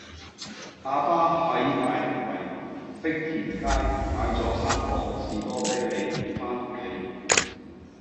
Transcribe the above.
亞爸喺大圍碧田街買左三磅士多啤梨返屋企